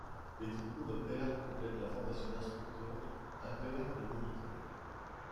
Les diplômes pairs complètent la formation d'instructeur, impairs de moniteur.